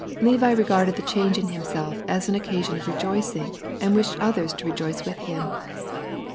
Levi regarded the change in himself as an occasion of rejoicing, and wished others to rejoice with him.